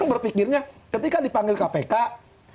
berpikirnya ketika dipanggil kpk